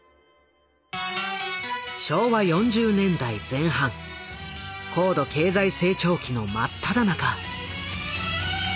昭和４０年代前半高度経済成長期の真っただ中。